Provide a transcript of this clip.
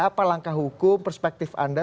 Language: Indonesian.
apa langkah hukum perspektif anda